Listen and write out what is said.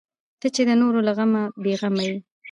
ته چې د نورو له غمه بې غمه یې.